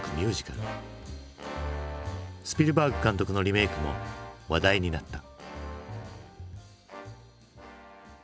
スピルバーグ監督のリメークも話題になった。